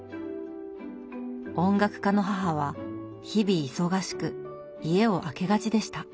音楽家の母は日々忙しく家を空けがちでした。